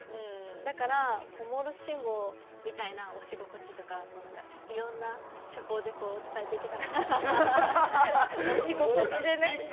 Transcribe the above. だから、モールス信号みたいな押し心地とかいろんな手法で伝えていけたらなって。